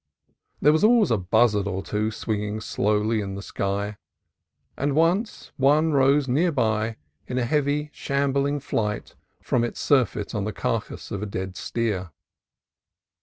There was always a buzzard or two swinging slowly in the sky, and once one rose near by with a heavy, shambling flight from his surfeit on the carcass of a dead steer.